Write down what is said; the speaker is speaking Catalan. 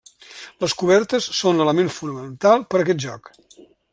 Les cobertes són l'element fonamental per aquest joc.